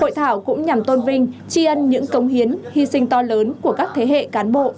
hội thảo cũng nhằm tôn vinh tri ân những công hiến hy sinh to lớn của các thế hệ cán bộ